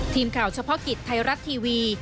ทีมข่าวเฉพาะกิจไทยรัฐทีวี